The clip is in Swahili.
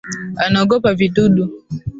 Anaogopa vidudu